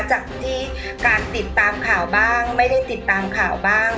จากที่การติดตามข่าวบ้างไม่ได้ติดตามข่าวบ้าง